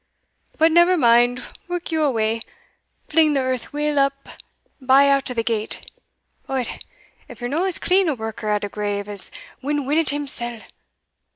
But never mind, work you away fling the earth weel up by out o' the gate Od, if ye're no as clean a worker at a grave as Win Winnet himsell!